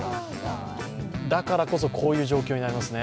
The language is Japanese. だからこそ、こういう状況になりますね。